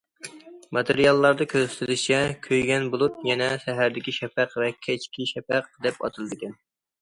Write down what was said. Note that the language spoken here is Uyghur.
ماتېرىياللاردا كۆرسىتىلىشىچە، كۆيگەن بۇلۇت يەنە سەھەردىكى شەپەق ۋە كەچكى شەپەق دەپ ئاتىلىدىكەن.